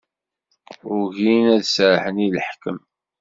Ugin ad serrḥen i leḥkem.